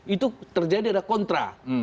itu terjadi ada kontra